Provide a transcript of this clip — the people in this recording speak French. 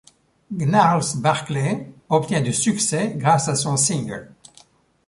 Gnarls Barkley obtient du succès grâce à son single '.